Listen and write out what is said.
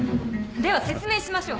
では説明しましょう。